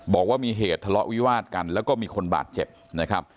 บอกว่ามีเหตุทะเลาะวิวาดกันแล้วก็มีคนบาดเจ็บนะครับ